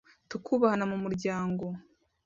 tukubahana mu muryango